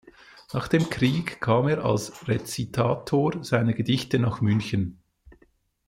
Nach dem Krieg kam er als Rezitator seiner Gedichte nach München.